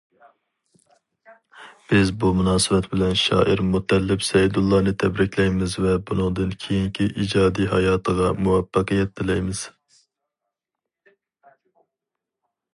بىز بۇ مۇناسىۋەت بىلەن شائىر مۇتەللىپ سەيدۇللانى تەبرىكلەيمىز ۋە بۇنىڭدىن كېيىنكى ئىجادىي ھاياتىغا مۇۋەپپەقىيەت تىلەيمىز.